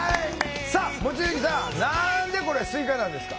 さあ望月さんなんでこれスイカなんですか？